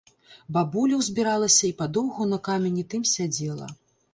Бабуля ўзбіралася і падоўгу на камені тым сядзела.